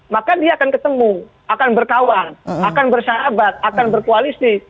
maka dia akan ketemu akan berkawan akan bersahabat akan berkoalisi